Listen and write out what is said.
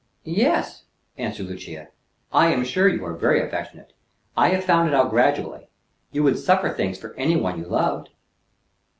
"Yes," answered Lucia: "I am sure you are very affectionate. I have found it out gradually. You would suffer things for any one you loved."